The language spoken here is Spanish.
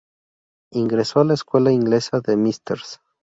Ingresó a la "Escuela Inglesa de Mrs.